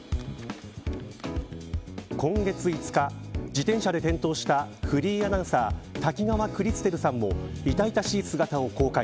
今月５日、自転車で転倒したフリーアナウンサー滝川クリステルさんも痛々しい姿を公開。